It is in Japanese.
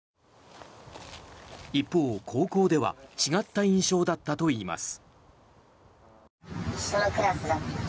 一方、高校では違った印象だったといいます。